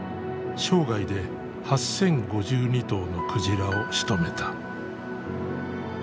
生涯で８，０５２頭の鯨をしとめた。